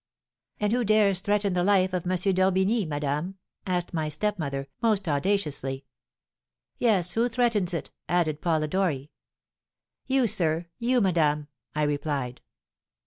"'And who dares threaten the life of M. d'Orbigny, madame?' asked my stepmother, most audaciously. "'Yes, who threatens it?' added Polidori. "'You, sir! you, madame!' I replied.